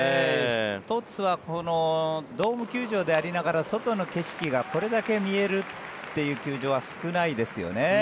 １つはドーム球場でありながら外の景色がこれだけ見えるという球場は少ないですよね。